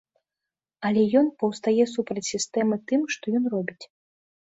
Але ён паўстае супраць сістэмы тым, што ён робіць.